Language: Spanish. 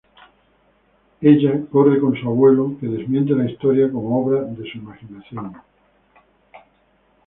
Ella corre con su abuelo que desmiente la historia como obra de su imaginación.